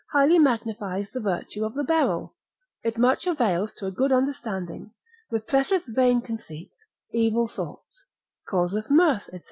highly magnifies the virtue of the beryl, it much avails to a good understanding, represseth vain conceits, evil thoughts, causeth mirth, &c.